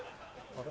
あれ？